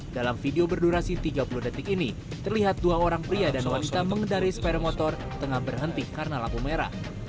dalam video berdurasi tiga puluh detik ini terlihat dua orang pria dan wanita mengendari sepeda motor tengah berhenti karena lampu merah